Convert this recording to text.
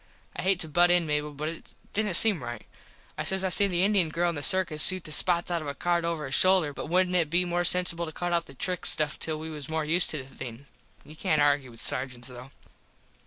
I hate to butt in Mable but it didnt seem right. I says I seen the Indien girl in the circus shoot the spots out of a card over her shoulder but wouldnt it be more censible to cut out the trick stuff till we was more used to the thing. You cant argue with sargents, though.